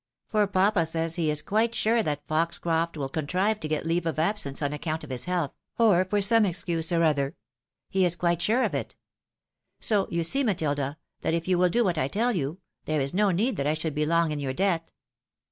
For papa says he is quite sure that Foxcroft will contrive to get leave of absence on account of his health, or for some excuse or other. He is quite sure of it. So you see, Matilda, that if you will do what I tell you, there is no need that I should be long in your debt."